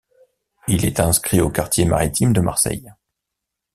Il est inscrit au quartier maritime de Marseille.